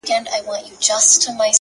• په ډوډۍ به یې د غم عسکر ماړه وه,